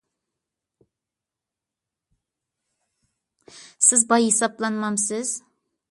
سىز باي ھېسابلانمامسىز؟